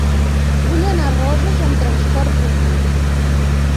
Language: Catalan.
Vull anar a Roses amb trasport públic.